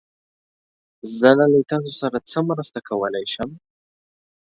زه نن له تاسو سره څه مرسته کولی شم؟